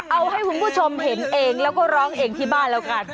เอาให้คุณผู้ชมเห็นเองแล้วก็ร้องเองที่บ้านแล้วกัน